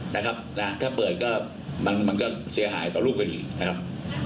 นะครับนะถ้าเปิดก็มันก็เสียหายต่อรูปคดีนะครับ